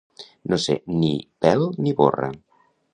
No ser ni pèl ni borra.